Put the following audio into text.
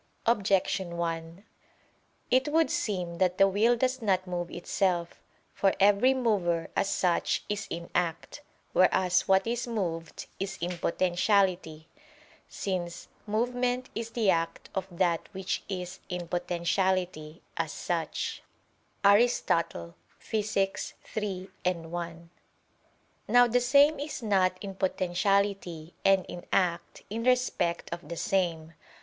Objection 1: It would seem that the will does not move itself. For every mover, as such, is in act: whereas what is moved, is in potentiality; since "movement is the act of that which is in potentiality, as such" [*Aristotle, Phys. iii, 1]. Now the same is not in potentiality and in act, in respect of the same.